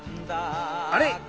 あれ？